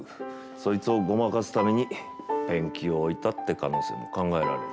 そいつをごまかすためにペンキを置いたって可能性も考えられる。